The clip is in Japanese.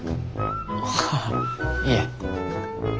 ああいえ。